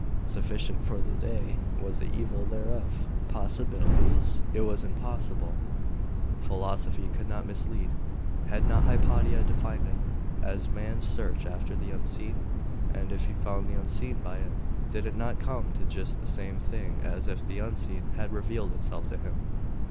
Sufficient for the day was the evil thereof. Possibilities? It was impossible.... Philosophy could not mislead. Had not Hypatia defined it, as man's search after the unseen? And if he found the unseen by it, did it not come to just the same thing as if the unseen had revealed itself to him?